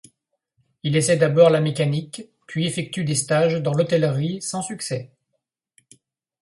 Il essaie d'abord la mécanique, puis effectue des stages dans l'hôtellerie sans succès.